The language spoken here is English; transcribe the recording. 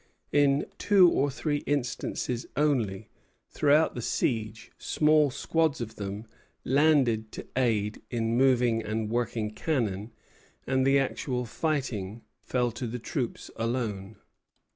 In two or three instances only, throughout the siege, small squads of them landed to aid in moving and working cannon; and the actual fighting fell to the troops alone.